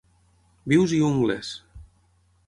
Vius i ungles!